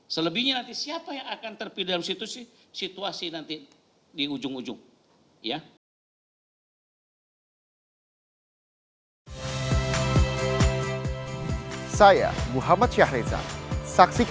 selebihnya nanti siapa yang akan terpilih dalam situasi